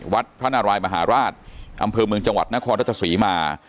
พระนารายมหาราชอำเภอเมืองจังหวัดนครราชศรีมา